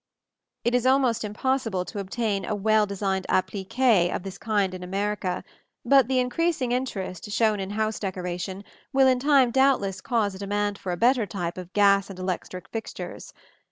It is almost impossible to obtain well designed appliques of this kind in America; but the increasing interest shown in house decoration will in time doubtless cause a demand for a better type of gas and electric fixtures.